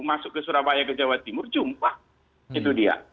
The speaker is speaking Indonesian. masuk ke surabaya ke jawa timur jumpa itu dia